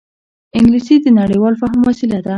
انګلیسي د نړيوال فهم وسیله ده